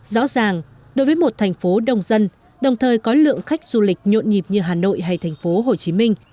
rõ ràng đối với một thành phố đông dân đồng thời có lượng khách du lịch nhộn nhịp như hà nội hay thành phố hồ chí minh